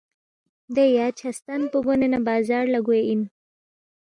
دے یا چھستن پو گونے ن٘ا بازار لہ گوے اِن